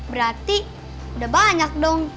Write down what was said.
berarti udah banyak dong